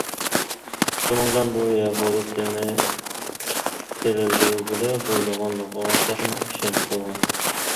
شۇنىڭ بىلەن ئۇ يەھۇدىي تىلىنى تىرىلدۈرگىلى بولىدىغانلىقىغا تېخىمۇ ئىشەنچ قىلغان.